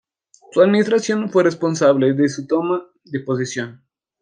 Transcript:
Su administración fue responsable de su toma de posesión.